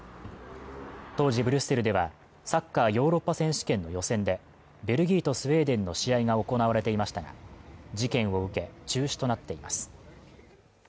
当時ブリュッセルではサッカーヨーロッパ選手権の予選でベルギーとスウェーデンの試合が行われていましたが事件を受け中止となっています